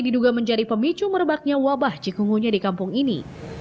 diduga menjadi pemicu merebaknya wabah cikungunya di kampung ini